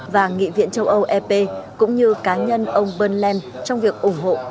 và nghị viện châu âu ep cũng như cá nhân ông bernd lenz trong việc ủng hộ